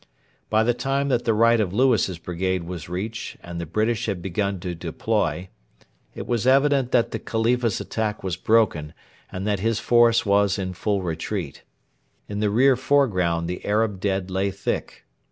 By the time that the right of Lewis's brigade was reached and the British had begun to deploy, it was evident that the Khalifa's attack was broken and that his force was in full retreat. In the near foreground the Arab dead lay thick.